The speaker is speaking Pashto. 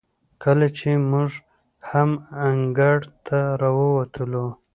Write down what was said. کله چې موږ هم انګړ ته راووتلو،